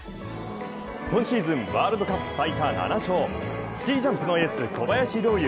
今シーズンワールドカップ最多７勝スキージャンプエース小林陵